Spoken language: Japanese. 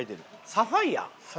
サファイア。